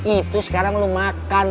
itu sekarang lo makan